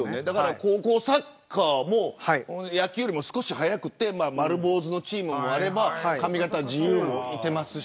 高校サッカーも野球より少し早くて丸坊主のチームもあれば髪形自由もいますし。